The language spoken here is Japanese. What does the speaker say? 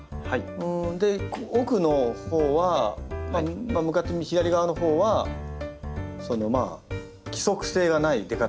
奥のほうは向かって左側のほうはまあ規則性がない出方。